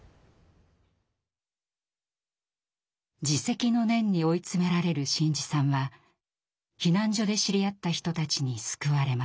自責の念に追い詰められる伸一さんは避難所で知り合った人たちに救われます。